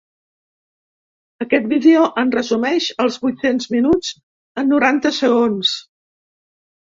Aquest vídeo en resumeix els vuit-cents minuts en noranta segons.